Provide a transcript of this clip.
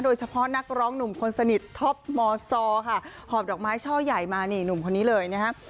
โดยเฉพาะนักร้องหนุ่มคนสนิทท็อปมซค่ะหอบดอกไม้ช่อใหญ่มานี่หนุ่มคนนี้เลยนะครับ